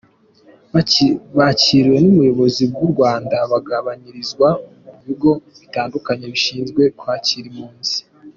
Bakiriwe n’ubuyobozi bw’u Rwanda, bagabanyirizwa mu bigo bitandukanye bishinzwe kwakira impunzi.